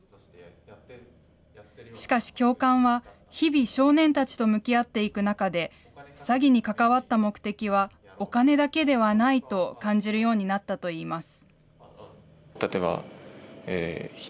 しかし、教官は、日々少年たちと向き合っていく中で、詐欺に関わった目的はお金だけではないと感じるようになったといいます。